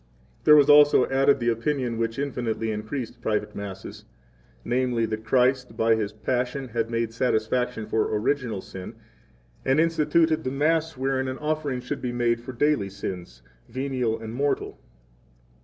21 There was also added the opinion which infinitely increased Private Masses, namely that Christ, by His passion, had made satisfaction for original sin, and instituted the Mass wherein an offering should be made for daily sins, 22 venial and mortal.